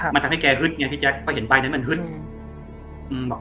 มันทำให้แกฮึดไงพี่แจ๊คเพราะเห็นใบนั้นมันฮึด